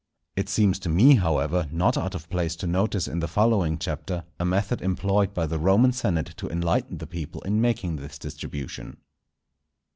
It seems to me, however, not out of place to notice in the following Chapter, a method employed by the Roman senate to enlighten the people in making this distribution.